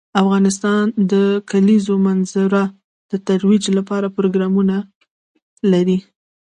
افغانستان د د کلیزو منظره د ترویج لپاره پروګرامونه لري.